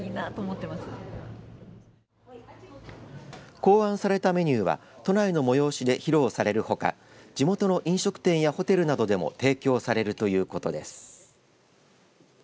考案されたメニューは都内の催しで披露されるほか地元の飲食店やホテルなどでも提供されるということです。